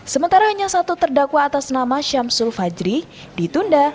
sementara hanya satu terdakwa atas nama syamsul fajri ditunda